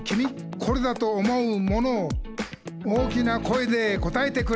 「これだと思うものを大きな声で答えてくれ！」